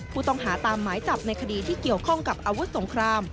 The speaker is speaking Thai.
ผู้ต้องหาตามหมายจับในคดีที่เกี่ยวข้องกับอาวุธสงคราม